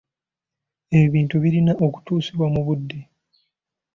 Ebintu birina kutuusibwa mu budde.